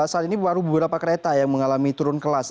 saat ini baru beberapa kereta yang mengalami turun kelas